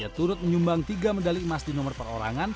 turut menyumbang tiga medali emas di nomor perorangan